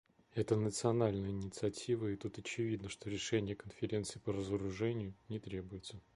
Это национальная инициатива, и тут очевидно, что решения Конференции по разоружению не требуется.